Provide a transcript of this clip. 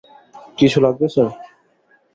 কিছু লাগবে, স্যার।